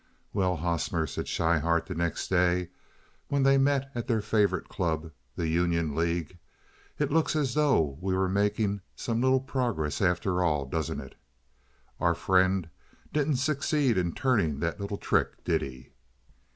"Well, Hosmer," said Schryhart the next day, when they met at their favorite club—the Union League—"it looks as though we were making some little progress, after all, doesn't it? Our friend didn't succeed in turning that little trick, did he?"